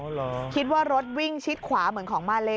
เหรอคิดว่ารถวิ่งชิดขวาเหมือนของมาเล